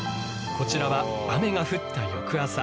こちらは雨が降った翌朝。